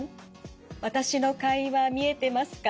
私の会話見えてますか？